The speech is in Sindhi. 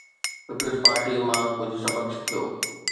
پيپلز پارٽيءَ مان ڪجهه سبق سکيو.